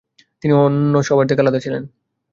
তিনি অন্য সবায়ের থেকে আলাদা ছিলেন।